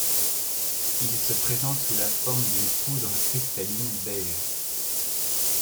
Il se présente sous la forme d'une poudre cristalline beige.